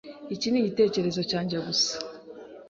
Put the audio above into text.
Iki ni igitekerezo cyanjye gusa.